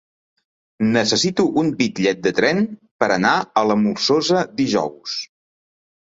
Necessito un bitllet de tren per anar a la Molsosa dijous.